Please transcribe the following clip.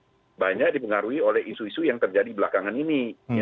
itu banyak dipengaruhi oleh isu isu yang terjadi belakangan ini